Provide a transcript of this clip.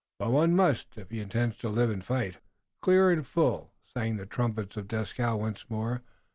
"But one must, if he intends to live and fight." Clear and full sang the trumpets of Dieskau once more.